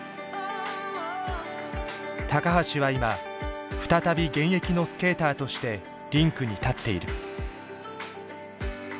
橋は今再び現役のスケーターとしてリンクに立っている。